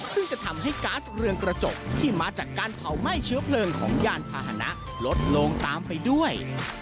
ซึ่งจะทำให้ก๊าซเรืองกระจกที่มาจากการเผาไหม้เชื้อเพลิงของยานพาหนะลดลงตามไปด้วย